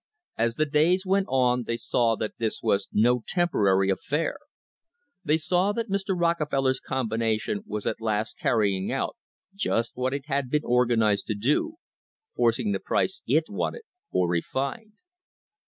As the days went on they saw that this was no temporary affair. They saw that Mr. Rockefeller's combination was at last carrying out just what it had been organised to do — forcing the price it wanted for refined.